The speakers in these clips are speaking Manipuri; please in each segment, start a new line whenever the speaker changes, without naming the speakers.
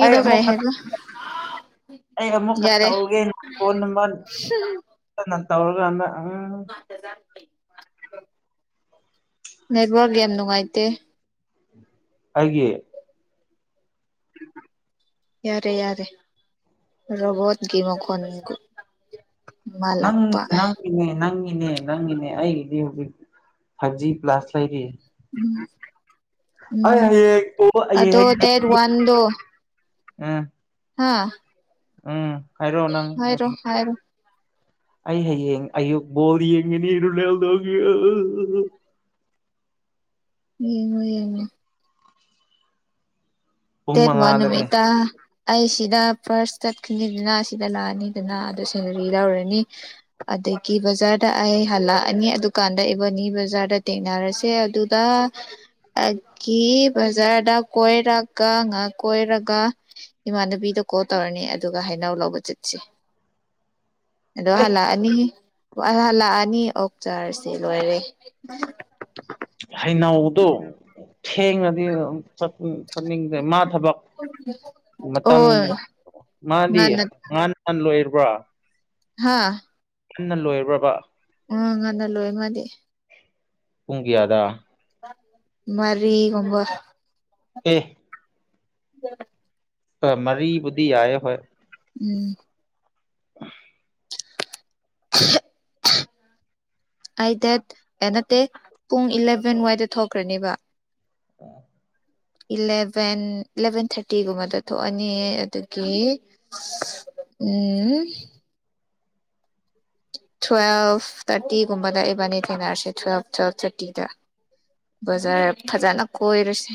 ꯑꯩ
ꯀꯩ
ꯑꯃꯨꯛꯀ
ꯍꯥꯏꯕ [inaudible]
ꯑꯩ ꯑꯃꯨꯛꯀ
ꯌꯥꯔꯦ
ꯇꯧꯒꯦ ꯐꯣꯟ ꯅꯝꯕꯔ [unintelligible] ꯇꯧꯔꯀꯥꯟꯗ ꯍ
[unintelligible] ꯅꯦꯠꯋꯥꯛ ꯌꯥꯝ ꯅꯨꯡꯉꯥꯏꯇꯦ
ꯑꯩꯒꯤ
ꯌꯥꯔꯦ ꯌꯥꯔꯦ ꯔꯣꯕꯣꯠꯀꯤ ꯃꯈꯣꯟꯅꯤꯀꯣ
ꯅꯪꯪ ꯅꯪꯒꯤꯅꯦ ꯅꯪ ꯏꯅꯦ ꯅꯪꯒꯤꯅꯦ ꯑꯩꯒꯤꯗꯤ ꯍꯧꯖꯤꯛ ꯐꯥꯏꯚ ꯖꯤ ꯄ꯭ꯂꯥꯁ ꯂꯩꯔꯤ
ꯎꯝ
ꯑꯩ ꯍꯌꯦꯡ ꯀꯣꯕ
ꯑꯗꯣ
ꯑꯩꯌꯦꯡꯍꯦꯛ
ꯗꯦꯠ ꯍꯥꯥ
ꯎꯝ ꯍꯥꯏꯔꯣ ꯅꯪ
ꯍꯥꯏꯔꯣ
ꯑꯩ ꯑꯌꯦꯡ ꯑꯌꯨꯛ ꯕꯣꯜ ꯌꯦꯡꯒꯅꯤ ꯔꯣꯅꯥꯜꯗꯣꯒꯤ ꯑꯑꯑ
ꯌꯦꯡꯉꯣ ꯌꯦꯡꯉꯣ
ꯄꯨꯡ
ꯗꯦꯠ ꯋꯥꯟ
ꯃꯉꯥꯗꯅꯦ
ꯅꯨꯃꯤꯠꯇ ꯑꯩ ꯁꯤꯗ ꯐꯥꯔꯁ ꯆꯠꯀꯅꯤꯗꯅ ꯁꯤꯗ ꯂꯥꯛꯑꯅꯤꯗꯅ ꯑꯗꯨ ꯁꯦꯂꯔꯤ ꯂꯧꯔꯅꯤ ꯑ ꯑꯗꯨꯗꯒꯤ ꯕꯖꯥꯔꯗ ꯑꯩ ꯍꯜꯂꯛꯑꯅꯤ ꯑꯗꯨꯀꯥꯟꯗ ꯏꯕꯅꯤ ꯕꯖꯥꯔꯗ ꯊꯦꯡꯅꯔꯁꯦ ꯑꯗꯨꯗ ꯑꯩꯒꯤ ꯕꯖꯥꯔꯗ ꯀꯣꯢꯔꯛ ꯀ ꯉ ꯀꯣꯏꯔꯒ ꯏꯃꯥꯟꯅꯕꯤꯗ ꯀꯣꯜ ꯇꯧꯔꯅꯤ ꯑꯗꯨꯒ ꯍꯩꯅꯧ ꯂꯧꯕ ꯆꯠꯁꯤ ꯑꯗꯨ
ꯑꯦ
ꯍꯜꯂꯛꯑꯅꯤ ꯑꯣꯢ ꯑꯩ ꯍꯜꯂꯛꯑꯅꯤ ꯑꯣꯛ ꯆꯥꯔꯁꯦ ꯂꯣꯏꯔꯦ
ꯍꯩꯅꯧꯗꯣ ꯊꯦꯡꯉꯗꯤ ꯂꯧ ꯆꯠ ꯆꯠꯅꯤꯡꯗꯦ ꯃꯥ ꯊꯕꯛ ꯃꯇꯝ
ꯑꯣ
ꯃꯥꯗꯤ
ꯉꯟꯅ
ꯉꯟ ꯉꯟꯅ ꯂꯣꯏꯔꯕ꯭ꯔꯥ
ꯍꯥꯥ
ꯉꯟꯅ ꯂꯣꯏꯕ꯭ꯔꯥꯕ
ꯃꯥ ꯉꯟꯅ ꯂꯣꯏꯒꯅꯤ
ꯄꯨꯡ ꯀꯌꯥꯗꯥ
ꯃꯥꯔꯤꯒꯨꯝꯕ
ꯑꯦ
[unintelligible]
ꯑ ꯃꯔꯤꯕꯨꯗꯤ ꯌꯥꯢꯑꯦ ꯍꯣꯏ
ꯎꯝ [inaudible] ꯑꯩ ꯗꯦꯠ ꯑꯦꯂꯚꯦꯟ ꯄꯨꯡ ꯏꯂꯚꯦꯟ ꯋꯥꯏꯗ ꯊꯣꯛꯈ꯭ꯔꯅꯦꯕ
[inaudible]
ꯏꯂꯚꯦꯟ ꯏꯂꯚꯦꯟ ꯊꯥꯔꯇꯤꯒꯨꯝꯕꯗ ꯊꯣꯛꯑꯅꯤ ꯑꯗꯨꯒꯤ ꯎꯝ ꯇꯨꯋꯦꯜꯚ ꯊꯥꯔꯇꯤꯒꯨꯝꯕꯗ ꯑꯦꯕꯥꯅꯤ ꯊꯦꯡꯅꯔꯁꯦ ꯇꯨꯋꯦꯜꯐ ꯇꯨꯋꯦꯜꯐ ꯊꯥꯔꯇꯤꯗ ꯕꯖꯥꯔ ꯐꯖꯅ ꯀꯣꯏꯔꯁꯤ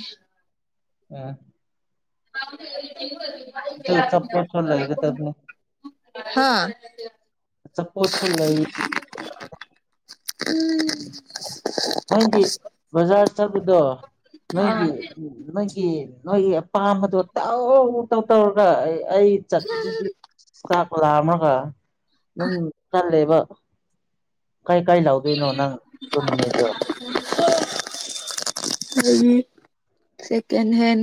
ꯑ
[unintelligible]
ꯇꯨ ꯆꯥꯄꯣꯠꯁꯨ ꯈꯔ ꯂꯩꯒꯗꯕꯅꯦ
ꯑꯍꯥꯥ
ꯑꯆꯥꯄꯣꯠꯁꯨ ꯂꯩ
[unintelligible]
ꯅꯣꯏꯗꯤ ꯕꯖꯥꯔ ꯆꯠꯄꯗꯣ
ꯑꯥ
ꯅꯣꯏꯒꯤ ꯅꯣꯏꯒꯤ ꯅꯣꯏꯒꯤ ꯑꯄꯥꯝꯕꯗꯣ ꯇꯧ ꯇꯧ ꯇꯧꯔꯒ ꯑꯩ ꯑꯩ ꯆꯠꯄꯗꯨꯗꯤ ꯆꯥꯛ ꯂꯥꯝꯔꯒ ꯑꯗꯨꯝ ꯆꯠꯂꯦꯕ ꯀꯩ ꯀꯩ ꯂꯧꯗꯣꯏꯅꯣ ꯅꯪ ꯑꯗꯨ ꯅꯨꯃꯤꯠꯇꯣ
ꯗꯒꯤ ꯁꯦꯀꯦꯟ ꯍꯦꯟ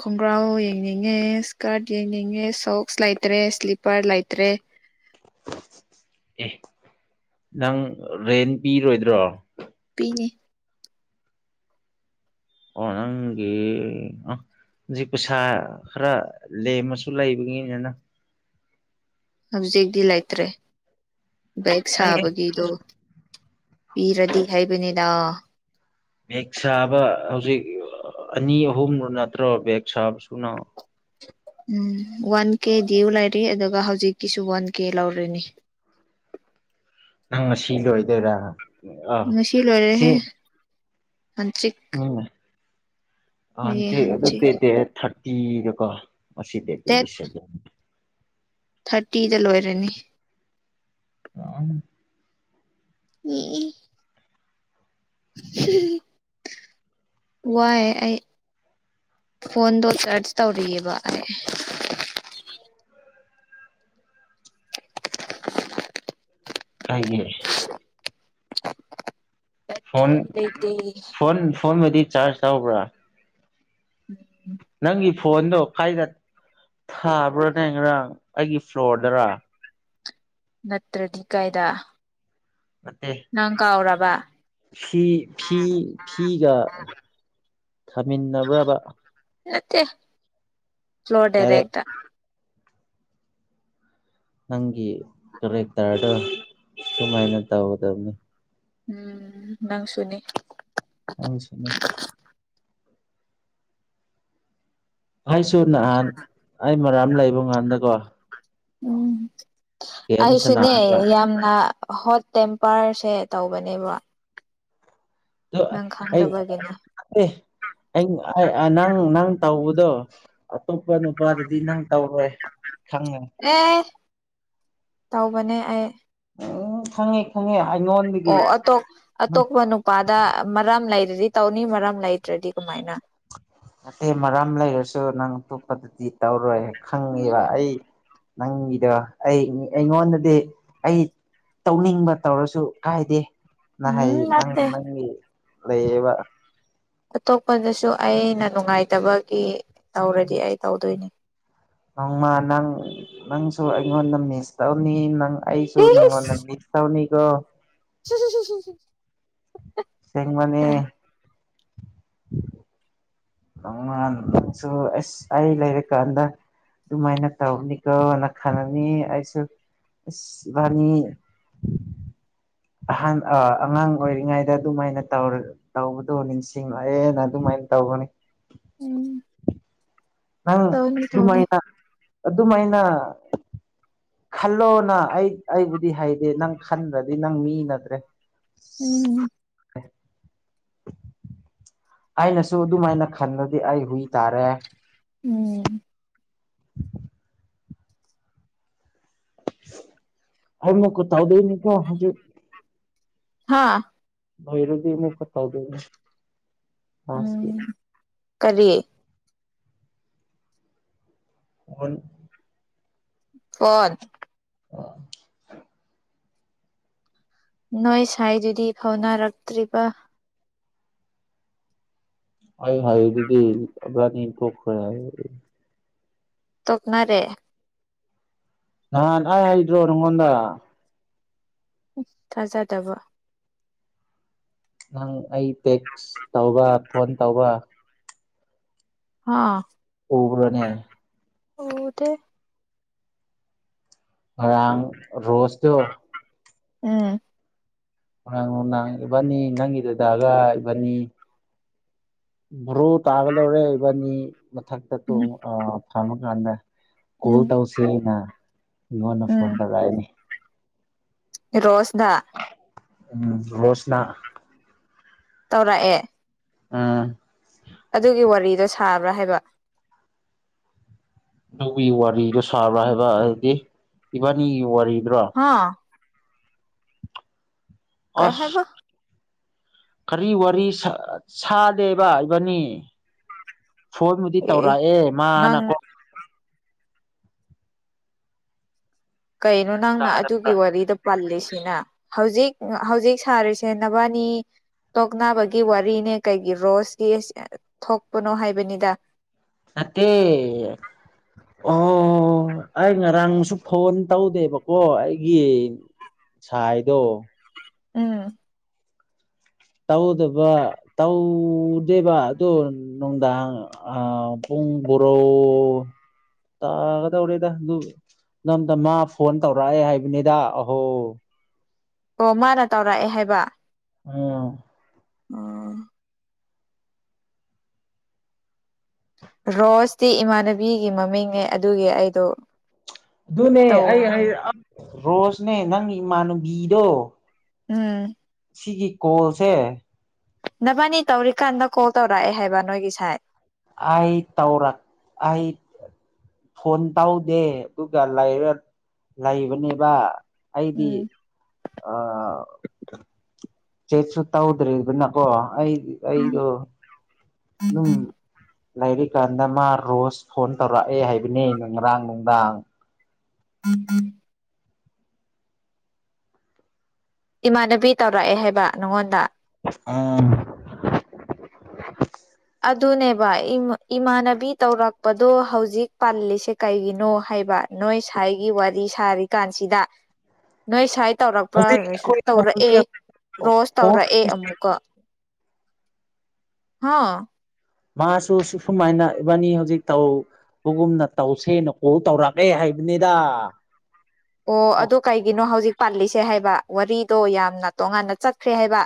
ꯈꯣꯡꯒ꯭ꯔꯥꯎ ꯌꯦꯡꯅꯤꯡꯉꯦ ꯁ꯭ꯀꯔꯠ ꯌꯦꯡꯅꯤꯡꯉꯦ ꯁꯣꯛꯁ ꯂꯩꯇ꯭ꯔꯦ ꯁ꯭ꯂꯤꯞꯄꯔ ꯂꯩꯇ꯭ꯔꯦ
ꯑꯦ ꯅꯪ ꯔꯦꯟꯠ ꯄꯤꯔꯣꯏꯗ꯭ꯔꯣ
ꯅꯤ
ꯑꯣ ꯅꯪꯒꯤ ꯑ ꯍꯧꯖꯤꯛ ꯄꯩꯁꯥ ꯈꯔ ꯂꯦꯝꯃꯁꯨ ꯂꯩꯕꯒꯤꯅꯤꯗ
ꯍꯧꯖꯤꯛꯇꯤ ꯂꯩꯇ꯭ꯔꯦ ꯕꯦꯛ
ꯅꯪ
ꯁꯥꯕꯒꯤꯗꯣ ꯄꯤꯔꯗꯤ ꯍꯥꯏꯕꯅꯤꯗ
ꯕꯦꯛ ꯁꯥꯕ ꯍꯧꯖꯤꯛ ꯑꯥ ꯑꯅꯤ ꯑꯍꯨꯝꯗꯣ ꯅꯠꯇ꯭ꯔꯣ ꯕꯦꯛ ꯁꯥꯕꯁꯨꯅ
ꯎꯝ ꯋꯥꯟ ꯀꯦ ꯗ꯭ꯌꯨ ꯂꯩꯔꯤ ꯑꯗꯨꯒ ꯍꯧꯖꯤꯛꯀꯤꯁꯨ ꯋꯥꯟ ꯀꯦ ꯂꯧꯔꯅꯤ [inaudible]
ꯅꯪ ꯉꯁꯤꯒꯤ ꯑꯣꯏꯗꯣꯏꯔ
ꯉꯁꯤ ꯂꯣꯏꯔꯦꯍꯦ ꯍꯟꯆꯤꯛ
ꯑꯥ ꯍꯟꯆꯤꯛ ꯑꯗꯨꯗꯤ ꯗꯦꯠ ꯊꯥꯔꯇꯤꯗꯀꯣ ꯉꯁꯤ ꯗꯦꯠ ꯇ꯭ꯋꯦꯟꯇꯤ ꯁꯦꯚꯦꯟ
ꯊꯔꯇꯤꯗ ꯂꯣꯏꯔꯅꯤ
[unintelligible]
ꯌꯦꯛꯏ ꯍꯝꯍꯝ ꯍꯝ ꯬꯬꯬꯬ꯋꯥꯏ ꯑꯩ ꯐꯣꯟꯗꯣ ꯆꯥꯔꯖ ꯇꯧꯔꯤꯌꯦꯕ ꯑꯩ
ꯀꯩꯒꯤ ꯐꯣꯟ
ꯕꯦꯇ꯭ꯔꯤ ꯂꯩꯇꯦ
ꯐꯣꯟ ꯐꯣꯟꯗꯨꯗꯤ ꯆꯥꯔꯖ ꯇꯧꯕ꯭ꯔꯥ
ꯎꯝ
ꯅꯪꯒꯤ ꯐꯣꯟꯗꯣ ꯈꯥꯏꯅ ꯊꯥꯕ꯭ꯔꯣꯅꯦ ꯉꯔꯥꯡ ꯑꯩꯒꯤ ꯐ꯭ꯂꯣꯔꯗꯔ
ꯅꯠꯇ꯭ꯔꯗꯤ ꯀꯥꯏꯗ
ꯅꯠꯇꯦ
ꯅꯪ ꯀꯥꯎꯔꯕ
ꯐꯤ ꯐꯤ ꯐꯤꯒ ꯊꯝꯃꯤꯟꯅꯕ꯭ꯔꯕ
ꯅꯠꯇꯦ ꯐ꯭ꯂꯣꯔꯗ
ꯗꯥꯏꯔꯦꯛ
ꯔꯦꯛꯇ
ꯅꯪꯒꯤ ꯀꯔꯦꯛꯇꯔꯗꯣ ꯁꯨꯃꯥꯏꯅ ꯇꯧꯒꯗꯕꯅꯤ
ꯎꯝ ꯅꯪꯁꯨꯅꯤ
ꯅꯪꯁꯨꯅꯦ ꯑꯩꯁꯨ ꯅꯍꯥꯟ ꯑꯩ ꯃꯔꯥꯝ ꯂꯩꯕ ꯀꯥꯟꯗꯀꯣ
ꯎꯝ
ꯒꯦꯝ
ꯑꯩꯁꯨꯅꯦ
ꯁꯥꯟꯅꯔꯒ
ꯌꯥꯝꯅ ꯍꯣꯠ ꯇꯦꯝꯄꯔ ꯁꯦ ꯇꯧꯒꯅꯤꯕ
ꯗꯣ ꯑꯩ ꯑꯩ ꯑꯩ ꯑꯩ ꯑꯥ ꯅꯪ ꯅꯪ ꯇꯧꯕꯗꯣ ꯑꯇꯣꯞꯄ ꯅꯨꯄꯥꯗꯗꯤ ꯅꯪ ꯇꯧꯔꯣꯏ ꯈꯪꯉꯦ
ꯑꯦ ꯇꯧꯕꯅꯦ ꯑꯩ
ꯑꯣ ꯈꯪꯉꯦ ꯈꯪꯉꯦ ꯑꯩꯉꯣꯟꯗꯒꯤ
ꯑꯣ ꯑꯇꯣ ꯑꯇꯣꯞꯄ ꯅꯨꯄꯥꯗ ꯃꯔꯝ ꯂꯩ ꯔꯗꯤ ꯇꯧꯅꯤ ꯃꯔꯝ ꯂꯩꯇ꯭ꯔꯗꯤ ꯀꯃꯥꯏꯅ
ꯅꯠꯇꯦ ꯃꯔꯝ ꯂꯩꯔꯁꯨ ꯅꯪ ꯑꯇꯣꯞꯄꯗꯗꯤ ꯇꯧꯔꯣꯏ ꯈꯪꯉꯤꯕ
ꯎꯝ
ꯑꯩ ꯅꯪꯒꯤꯗꯣ ꯑꯩ ꯑꯩꯉꯣꯟꯗꯗꯤ ꯑꯩ ꯇꯧꯅꯤꯡꯕ ꯇꯧꯔꯁꯨ ꯀꯥꯏꯗꯦ ꯅꯍꯩ
ꯎꯝ
ꯅꯪ
ꯅꯠꯇꯦ
ꯅꯪꯒꯤ ꯂꯩꯌꯦꯕ
ꯑꯇꯣꯞꯄꯗꯁꯨ ꯑꯩꯅ ꯅꯨꯡꯉꯥꯏꯇꯕꯒꯤ ꯇꯧꯔꯗꯤ ꯑꯩ ꯇꯧꯗꯣꯏꯅꯦ
ꯅꯣꯡꯃ ꯅꯪ ꯅꯪꯁꯨ ꯑꯩꯉꯣꯟꯗ ꯃꯤꯁ ꯇꯧꯅꯤ ꯅꯪ ꯑꯩꯁꯨ ꯅꯪꯑꯣꯟꯗ ꯃꯤꯁ ꯇꯧꯅꯤꯀꯣ
ꯍꯨꯝ ꯍꯨꯝ ꯍꯨꯝ
ꯁꯦꯕꯅꯦ [inaudible] ꯇꯣꯉꯥꯟ ꯉꯁꯨ ꯑꯁ ꯑꯩ ꯂꯩꯔ ꯀꯥꯟꯗ ꯑꯗꯨꯃꯥꯏꯅ ꯇꯧꯅꯤꯀꯣꯅ ꯈꯜꯉꯅꯤ ꯑꯩꯁꯨ ꯢꯁ ꯏꯕꯅꯤ ꯑꯍꯥꯟ ꯑꯉꯥꯡ ꯑꯣꯏꯔꯤꯉꯩꯗ ꯑꯗꯨꯃꯥꯏꯅ ꯇꯧ ꯇꯧꯕꯗꯣ ꯅꯤꯡꯁꯤꯡꯂꯛꯑꯦꯅ ꯑꯗꯨꯃꯥꯏꯅ ꯇꯧꯕꯅꯤ
ꯎꯝ
ꯑꯪ
ꯇꯧꯅꯤ ꯇꯧꯅꯤ
ꯑꯗꯨꯃꯥꯏꯅ ꯑꯗꯨꯃꯥꯏꯅ ꯈꯜꯂꯣꯅ ꯑꯩ ꯑꯩꯕꯨꯗꯤ ꯍꯩꯗꯦ ꯅꯪ ꯈꯟꯗ꯭ꯔꯗꯤ ꯅꯪ ꯃꯤ ꯅꯠꯇ꯭ꯔꯦ
ꯎꯝ
ꯑꯩꯅꯁꯨ ꯑꯗꯨꯃꯥꯏꯅ ꯈꯟꯕꯗꯤ ꯑꯩ ꯍꯨꯏ ꯇꯥꯔꯦ
ꯎꯝ
ꯑꯩ ꯀꯨꯠ ꯇꯧꯗꯣꯔꯤꯅꯤꯀꯣ ꯍꯧꯖꯤꯛ
ꯍꯥꯥ
ꯑꯣꯢꯔꯗꯤ ꯑꯃꯨꯛꯀ ꯇꯧꯗꯣꯢꯅꯦ ꯇꯥꯢꯛꯀꯤ
ꯎꯝ ꯀꯔꯤ
ꯐꯣꯟ
ꯐꯣꯟ
ꯑꯣ
ꯅꯣꯏ ꯁꯥꯏꯗꯨꯗꯤ ꯐꯥꯎꯅꯔꯛꯇ꯭ꯔꯤꯕ
ꯑꯩ ꯍꯥꯢꯗꯨꯗꯤ ꯑꯕꯅꯤ ꯇꯣꯛꯈ꯭ꯔꯦ ꯍꯥꯏ
ꯇꯣꯛꯅꯔꯦ
ꯅꯥꯍꯟ ꯑꯩ ꯍꯥꯢꯗꯔꯣ ꯅꯪꯉꯣꯟꯗ
ꯊꯖꯥꯗꯕ
ꯅꯪ ꯑꯩ ꯇꯦꯛꯁ ꯇꯧꯕ ꯐꯣꯟ ꯇꯧꯕ
ꯍꯥꯥ
ꯎꯕ꯭ꯔꯣꯅꯦ
ꯎꯗꯦ
ꯉꯔꯥꯡ ꯔꯣꯁꯗꯣ
ꯎꯝ
ꯉꯔꯥꯡ ꯅꯨꯡꯗꯥꯡ ꯏꯕꯅꯤ ꯅꯪꯒꯤ ꯗꯗꯒ ꯏꯕꯅꯤ ꯕꯣꯔꯣ ꯇꯥꯒꯗꯧꯔꯦ ꯏꯕꯥꯅꯤ ꯃꯊꯛꯇ ꯇꯣꯡ
ꯎꯝ
ꯑꯥ ꯐꯝꯃꯀꯥꯟꯗ ꯀꯣꯜ
ꯎꯝ
ꯇꯧꯁꯤꯅ ꯃꯤꯉꯣꯟꯗ ꯐꯣꯟ
ꯎꯝ
ꯇꯧꯔꯛꯑꯅꯤ
ꯔꯣꯁꯅ
ꯎꯝ ꯔꯣꯁꯅꯥ
ꯇꯧꯔꯛꯑꯦ
ꯎꯝ
ꯑꯗꯨꯒꯤ ꯋꯥꯔꯤꯗꯣ ꯁꯥꯕ꯭ꯔꯥ ꯍꯥꯏꯕ
ꯑꯗꯨꯒꯤ ꯋꯥꯔꯤꯗꯣ ꯁꯥꯕ꯭ꯔꯥ ꯍꯥꯏꯕ ꯍꯥꯏꯗꯤ ꯏꯕꯥꯅꯤꯒꯤ ꯋꯥꯔꯤ
ꯍꯥꯥ ꯀꯩ
ꯑꯁ
ꯍꯥꯏꯕ
ꯀꯔꯤ ꯋꯥꯔꯤ ꯁꯥ ꯁꯥꯗꯦꯕ ꯏꯕꯅꯤ ꯐꯣꯟꯕꯨꯗꯤ
ꯑꯦ
ꯇꯧꯔꯛꯑꯦ
ꯅꯪ
ꯃꯥꯅꯀꯣ
ꯀꯩꯅꯣ ꯅꯪꯅ ꯑꯗꯨꯒꯤ
ꯇꯥꯗꯕ꯭ꯔꯥ
ꯋꯥꯔꯤꯗ ꯄꯜꯂꯤꯁꯤꯅ ꯍꯧꯖꯤꯛ ꯍꯧꯖꯤꯛ ꯁꯥꯔꯤꯁꯦ ꯅꯕꯥꯅꯤ ꯇꯣꯛꯅꯕꯒꯤ ꯋꯥꯔꯤꯅꯦ ꯀꯩꯒꯤ ꯔꯣꯁꯀꯤ ꯊꯣꯛꯄꯅꯣ ꯍꯥꯏꯕꯅꯤꯗ
ꯅꯠꯇꯦ ꯑꯣ ꯑꯩ ꯉꯔꯥꯡꯁꯨ ꯐꯣꯟ ꯇꯧꯗꯦꯕꯀꯣ ꯑꯩꯒꯤ ꯁꯥꯏꯗꯣ
ꯎꯝ
ꯇꯧꯗꯕ ꯇꯧꯗꯦꯕ ꯑꯗꯣ ꯅꯨꯡꯗꯥꯡ ꯑꯥ ꯄꯨ ꯄꯨꯡ ꯕ꯭ꯔꯣ ꯇꯥꯒꯗꯣꯔꯦꯗ ꯑꯗꯨꯁꯨ ꯇꯝꯗ ꯃꯥ ꯐꯣꯟ ꯇꯧꯔꯛꯑꯦ ꯍꯥꯏꯕꯅꯤꯗ ꯑꯍꯣ
ꯑꯣ ꯃꯥꯅꯥ ꯇꯧꯔꯛꯑꯦ ꯍꯥꯏꯕ
ꯑꯨꯝ
ꯑꯣ ꯔꯣꯁꯇꯤ ꯏꯃꯥꯟꯅꯕꯤꯒꯤ ꯃꯃꯤꯡꯅꯦ ꯑꯗꯨꯒꯤ ꯑꯩꯗꯣ
ꯑꯗꯨꯅꯦ
ꯇꯧ
ꯑꯩ ꯑꯩ ꯔꯣꯁꯅꯦ ꯅꯪꯒꯤ ꯏꯃꯥꯟꯅꯕꯤꯗꯣ
ꯎꯝ
ꯁꯤꯒꯤ ꯀꯣꯜꯁꯦ
ꯅꯕꯥꯟꯅꯤ ꯇꯧꯔꯤꯀꯥꯟꯗ ꯀꯣꯜ ꯇꯧꯔꯛꯑꯦ ꯍꯥꯏꯕ ꯅꯣꯏꯒꯤ ꯁꯥꯏ
ꯑꯩ ꯇꯧꯔꯛ ꯑꯩ ꯐꯣꯟ ꯇꯧꯗꯦ ꯗꯨꯒ ꯂꯩꯔ ꯂꯩꯕꯅꯦꯕ ꯑꯩꯗꯤ
ꯎꯝ
ꯑꯥ ꯆꯦꯛꯁꯨ ꯇꯧꯗ꯭ꯔꯦꯗꯅꯀꯣ ꯑꯩ ꯑꯩꯗꯣ ꯗꯨꯝ ꯂꯩꯔꯤꯀꯥꯟꯗ ꯃꯥ ꯔꯣꯁ ꯐꯣꯟ ꯇꯧꯔꯛꯑꯦ ꯍꯥꯏꯕꯅꯤ ꯉꯔꯥꯡ ꯅꯨꯡꯗꯥꯡ
[unintelligible] ꯏꯃꯥꯟꯅꯕꯤ ꯇꯧꯔꯛꯑꯦ ꯍꯥꯏꯕ ꯅꯪꯉꯣꯟꯗ
ꯑꯣ
ꯗꯨꯅꯦꯕ ꯏꯃꯥ ꯏꯃꯥꯟꯅꯕꯤ ꯇꯧꯔꯛꯄꯗꯣ ꯍꯧꯖꯤꯛ ꯄꯟꯂꯤꯁꯦ ꯀꯩꯒꯤꯅꯣ ꯍꯥꯏꯕ ꯅꯣꯏ ꯁꯥꯏꯒꯤ ꯋꯥꯔꯤ ꯁꯥꯔꯤꯀꯥꯟꯁꯤꯗ ꯅꯣꯏ ꯁꯥꯏ ꯇꯧꯔꯛꯄ꯭ꯔꯥ
ꯍꯧꯖꯤꯛ
ꯔꯁꯨ
ꯑꯩꯈꯣꯏ
ꯇꯧꯔꯛꯑꯦ
ꯍꯧꯖꯤꯛ
ꯔꯣꯁ ꯇꯧꯔꯛꯑꯦ ꯑꯃꯨꯛꯀ ꯍꯥ
ꯃꯥꯁꯨ ꯁꯨꯃꯥꯏꯅ ꯏꯕꯥꯅꯤ ꯍꯧꯖꯤꯛ ꯇꯧꯕꯒꯨꯝꯅ ꯇꯧꯁꯦꯅ ꯀꯣꯜ ꯇꯧꯔꯛꯂꯦ ꯍꯥꯏ ꯍꯥꯏꯕꯅꯤꯗ
ꯑꯣ ꯑꯗꯨ ꯀꯩꯒꯤꯅꯣ ꯍꯧꯖꯤꯛ ꯄꯥꯜꯂꯤ ꯁꯦ ꯍꯥꯏꯕ ꯋꯥꯔꯤꯗꯣ ꯌꯥꯝꯅ ꯇꯣꯉꯥꯟꯅ ꯆꯠꯈ꯭ꯔꯦ ꯍꯥꯏꯕ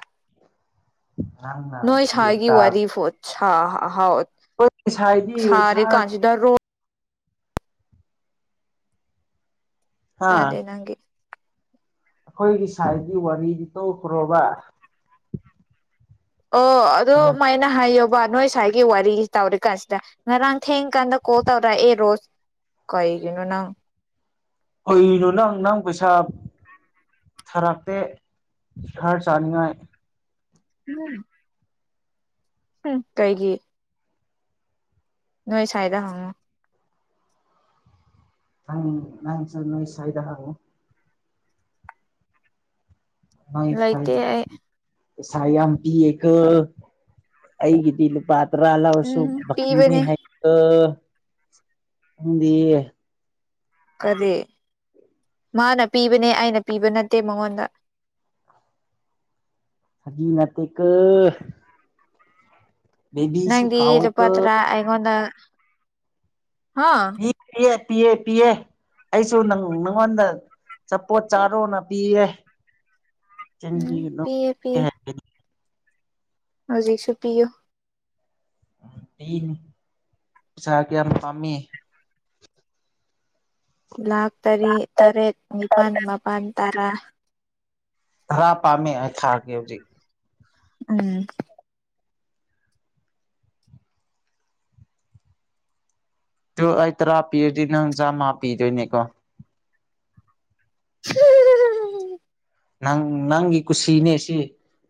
ꯅꯪꯅ
ꯅꯣꯏ
ꯒ꯭ꯌꯥꯟ
ꯁꯥꯏꯒꯤ ꯋꯥꯔꯤ ꯐꯣꯟ ꯁꯥ
ꯈꯣꯏ ꯁꯥꯏꯗꯤ ꯁꯥꯔ
ꯁꯥꯔꯤꯀꯥꯟꯁꯤꯗ ꯔꯣ ꯇꯥꯗꯦ ꯅꯪꯒꯤ
ꯑꯈꯣꯏꯒꯤ ꯁꯥꯏꯒꯤ ꯋꯥꯔꯤꯗꯤ ꯇꯣꯛꯈ꯭ꯔꯣꯕ
ꯑꯣ ꯑꯗꯨꯃꯥꯏꯅ ꯍꯥꯏꯌꯣ ꯋꯥ ꯅꯣꯏ ꯁꯥꯏꯒꯤ ꯋꯥꯔꯤ ꯇꯧꯔꯤꯀꯥꯟꯁꯤꯗ ꯉꯔꯥꯡ ꯊꯦꯡꯀꯥꯟꯗ ꯀꯣꯜ ꯇꯧꯔꯛ ꯑꯦ ꯔꯣꯁ ꯀꯩꯒꯤ ꯅꯣ ꯅꯪ
ꯀꯩꯒꯤꯅꯣ ꯅꯪ ꯅꯪ ꯄꯩꯁꯥ ꯊꯔꯛꯇꯦ ꯍ꯭ꯔ ꯆꯥꯅꯤꯉꯥꯏ
ꯎꯝ ꯎꯝ ꯀꯩꯒꯤ ꯅꯣꯏ ꯁꯥꯏꯗꯥ ꯍꯪꯉꯣ
ꯅꯪ ꯅꯪ ꯁꯨ ꯅꯣꯏ ꯁꯥꯏꯗ ꯍꯪꯉꯣ ꯅꯣꯏ ꯁꯥꯏ
ꯂꯩꯇꯦ ꯑꯩ
ꯄꯩꯁꯥ ꯌꯥꯝ ꯄꯤꯌꯦꯀꯣ ꯑꯩꯒꯤꯗꯤ ꯂꯨꯄꯥ ꯇ꯭ꯔꯥ ꯂꯧꯔꯁꯨ
ꯎꯝ
ꯕꯥꯀꯤꯅꯤ
ꯄꯤꯕꯅꯦ
ꯍꯥꯏꯀꯣ ꯅꯪꯗꯤ
ꯀꯔꯤ ꯃꯥꯅ ꯄꯤꯕꯅꯦ ꯑꯩꯅ ꯄꯤꯕ ꯅꯠꯇꯦ ꯃꯉꯣꯟꯗ [inaudible]
ꯐꯥꯒꯤ ꯅꯠꯇꯦꯀꯣ ꯕꯦꯕꯤꯁꯨ
ꯅꯪꯗꯤ ꯂꯨꯄꯥ
ꯀꯥꯎꯋꯤꯀꯣ
ꯇ꯭ꯔꯥ ꯑꯩꯉꯣꯟꯗꯥ
ꯄꯤꯌꯦ ꯄꯤꯌꯦ ꯄꯤꯌꯦ ꯑꯩꯁꯨ ꯅꯪ ꯅꯉꯣꯟꯗ ꯆꯄꯣꯠ ꯆꯥꯔꯣꯅ ꯄꯤꯌꯦ ꯆꯤꯟ
ꯎꯝ
ꯊꯤꯒꯅꯨ [unintelligible]
ꯄꯤꯌꯦ ꯄꯤꯌꯦ ꯍꯧꯖꯤꯛꯁꯨ ꯄꯤꯌꯨ
ꯄꯤꯟ ꯄꯩꯁꯥ ꯀꯌꯥꯝ ꯄꯥꯝꯃꯤ
ꯂꯥꯥꯛ ꯇꯔꯦꯠ ꯇꯔꯦꯠ ꯅꯤꯄꯥꯜ ꯃꯥꯄꯟ ꯇꯔꯥ
ꯇꯔꯥ ꯄꯥꯝꯃꯦ ꯑꯩ ꯊꯥꯔꯛꯀꯦ ꯍꯨꯖꯤꯛ
ꯎꯝ
ꯇꯨ ꯑꯩ ꯇꯔꯥ ꯄꯤꯔꯗꯤ ꯅꯪ ꯆꯥꯝꯃ ꯄꯤꯗꯣꯏꯅꯦꯀꯣ
[unintelligible]
ꯅꯪ ꯅꯪꯒꯤ ꯀꯨꯁꯤꯅꯦ ꯁꯤ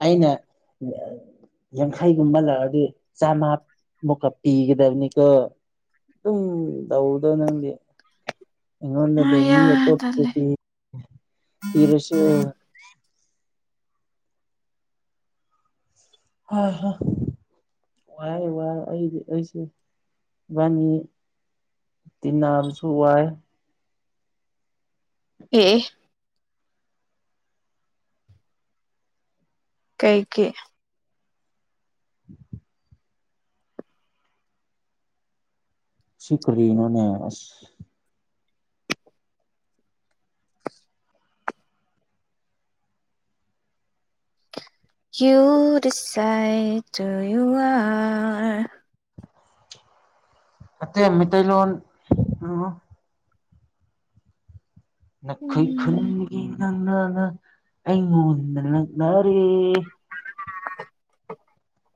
ꯑꯩꯅ ꯌꯥꯡꯈꯩꯒꯨꯝꯕ ꯂꯧꯔꯥꯗꯤ ꯆꯥꯝꯃ ꯃꯨꯛꯀ ꯄꯤꯒꯗꯕꯅꯤꯀꯣ ꯑꯗꯨꯝ ꯇꯧꯕꯗꯣ ꯅꯪꯗꯤ ꯑꯩꯉꯣꯟꯗꯗꯤ
ꯑꯌꯥ
ꯃꯤ ꯑꯇꯣꯞꯄ
ꯇꯜꯂꯦ
ꯄꯤ ꯄꯤꯔꯁꯨ ꯌꯥꯕ ꯍꯍꯥ ꯍꯍꯥ ꯋꯥꯏ ꯋꯥꯏ ꯑꯩꯗꯤ ꯑꯩꯁꯦ ꯏꯕꯅꯤ ꯇꯤꯟꯅꯕꯁꯨ ꯋꯥꯏ
ꯑꯦ ꯑꯦ ꯀꯩ ꯀꯤ
[inaudible] ꯁꯤ ꯀꯥꯔꯤꯅꯣꯅꯦ ꯑꯁ
[unintelligible]
ꯑꯇꯩ ꯃꯩꯇꯩꯂꯣꯟ ꯉꯥ ꯅꯈꯣꯏ
ꯎꯝ
ꯈꯨꯟꯒꯤ ꯅꯥ ꯅꯥ ꯑꯩꯉꯣꯟꯗꯥ ꯂꯛꯅꯔꯦ
[inaudible]